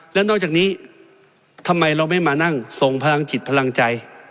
และนอกจากนี้ทำไมเราไม่มานั่งส่งพลังจิตพลังใจ